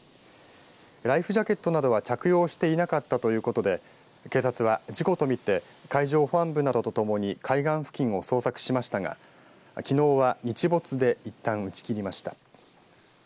ライフジャケットなどは着用していなかったということで警察は事故と見て海上保安部などとともに海岸付近を捜索しましたがきのうは日没でいったん打ち切りました。